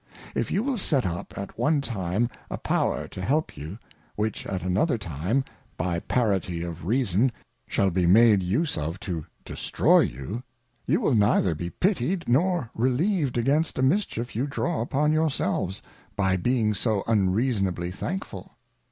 If you will set up at one time a Power to help you, which at another time, by parity of Reason, shall be made use of to destroy you, you will neither be pitied, nor relieved! against a Mischief you draw upon your selves, by being so un ' reasonably thankful.